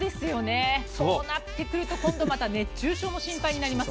そうなってくると熱中症も心配になります。